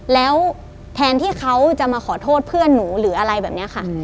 แล้วแทนที่เขาจะมาขอโทษเพื่อนหนูหรืออะไรแบบนี้ค่ะ